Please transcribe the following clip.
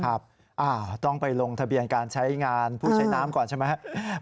ครับต้องไปลงทะเบียนการใช้งานผู้ใช้น้ำก่อนใช่ไหมครับ